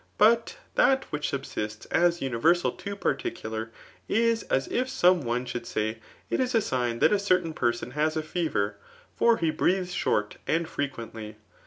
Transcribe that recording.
But that which SMbosts as universal to particular, is as if some one should say, it is a dgn that a certain person has a fever } for he breathes short and frequently.